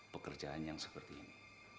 pekerjaan yang seperti ini